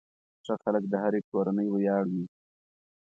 ښه خلک د هرې کورنۍ ویاړ وي.